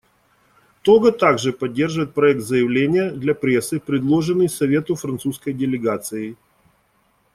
Того также поддерживает проект заявления для прессы, предложенный Совету французской делегацией.